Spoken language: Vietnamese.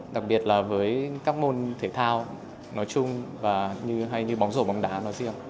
đặc biệt là với các môn thể thao nói chung và hay như bóng rổ bóng đá nói riêng